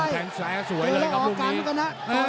เก็บแล้วออกกันกันนะ